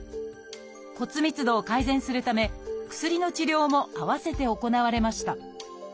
骨密度を改善するため薬の治療も併せて行われました。